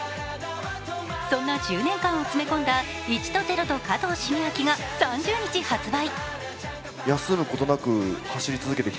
そんな１０年間を詰め込んだ「１と０と加藤シゲアキ」が３０日、発売。